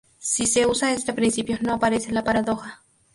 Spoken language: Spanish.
Si se usa este principio, no aparece la paradoja.